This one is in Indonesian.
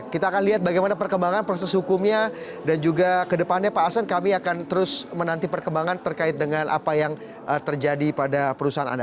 kita akan lihat bagaimana perkembangan proses hukumnya dan juga kedepannya pak asen kami akan terus menanti perkembangan terkait dengan apa yang terjadi pada perusahaan anda